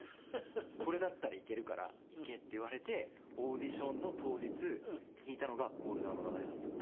「これだったら行けるから行け」って言われてオーディションの当日弾いたのが『モルダウの流れ』だったんです。